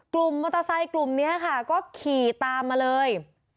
กลุ่มมอเตอร์ไซค์กลุ่มนี้ค่ะก็ขี่ตามมาเลย